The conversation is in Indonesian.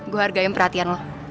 gue hargai perhatian lo